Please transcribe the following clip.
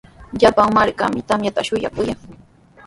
Llapan markami tamyata shuyaykaayan.